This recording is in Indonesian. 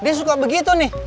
dia suka begitu nih